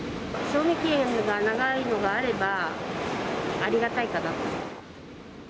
賞味期限が長いのがあればありがたいかな。